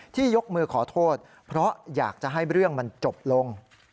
ยกมือขอโทษเพราะอยากจะให้เรื่องมันจบลง